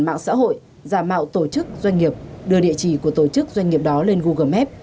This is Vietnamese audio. mạng xã hội giả mạo tổ chức doanh nghiệp đưa địa chỉ của tổ chức doanh nghiệp đó lên google maps